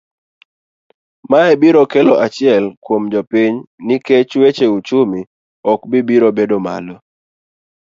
Mae biro kelo achiel, kuom jopiny nikech weche uchumi ok biro bedo malo.